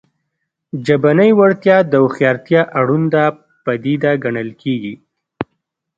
ژبنۍ وړتیا د هوښیارتیا اړونده پدیده ګڼل کېږي